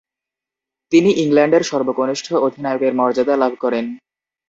তিনি ইংল্যান্ডের সর্বকনিষ্ঠ অধিনায়কের মর্যাদা লাভ করেন।